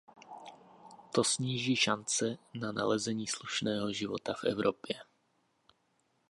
To sníží šance na nalezení slušného života v Evropě.